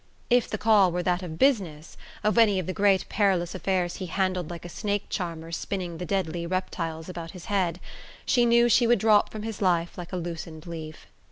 If the call were that of business of any of the great perilous affairs he handled like a snake charmer spinning the deadly reptiles about his head she knew she would drop from his life like a loosened leaf.